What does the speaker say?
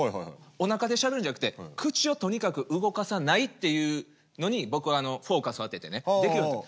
おなかでしゃべるんじゃなくて口をとにかく動かさないっていうのに僕あのフォーカスを当ててねできるようになった。